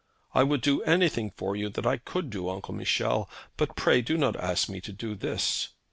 'I would do anything for you that I could do, Uncle Michel; but pray do not ask me to do this?'